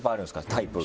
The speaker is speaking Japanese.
タイプが。